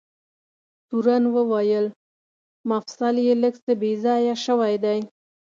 تورن وویل: مفصل یې لږ څه بې ځایه شوی دی.